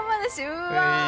うわ！